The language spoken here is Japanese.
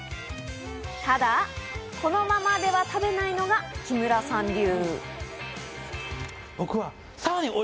ただ、このままでは食べないのが木村さん流。